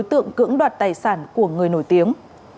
tượng cưỡng đoạt tài sản của người nổi tiếng